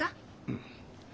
うん。